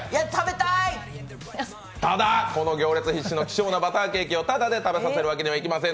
ただ、この行列必至のバターケーキをただで食べさせるわけにはいきません。